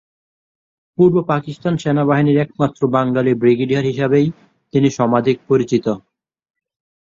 পূর্ব পাকিস্তান সেনা বাহিনীর একমাত্র বাঙ্গালী ব্রিগেডিয়ার হিসেবেই তিনি সমধিক পরিচিত।